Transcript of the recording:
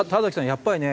やっぱりね